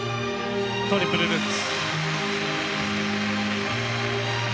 トリプルルッツ。